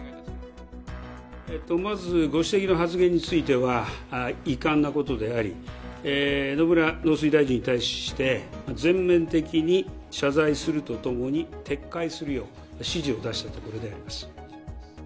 まずご指摘の発言については遺憾なことであり、野村農水大臣に対して全面的に謝罪するとともに、撤回するよう指示を出したところであります。